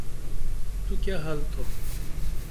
تو کیہ حل تھوپ؟